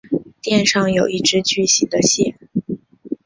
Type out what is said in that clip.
店上有一只巨型的蟹。